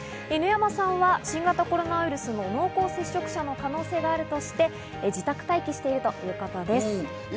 犬山さんは新型コロナウイルスの濃厚接触者の可能性があるとして、自宅待機しているということです。